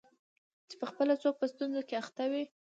چي پخپله څوک په ستونزه کي اخته وي